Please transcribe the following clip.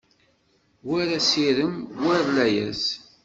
War asirem, war layas